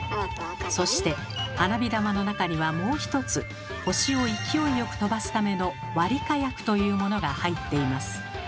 そして花火玉の中にはもう一つ星を勢いよく飛ばすための「割火薬」というものが入っています。